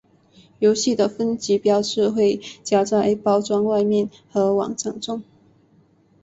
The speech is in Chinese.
游戏的分级标志会加在包装外面和网站中。